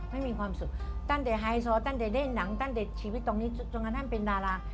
ไม่มีความสุขตั้งแต่ไฮโซตั้งแต่ได้หนังตั้งแต่ชีวิตตรงนี้จนกระทั่งเป็นดารา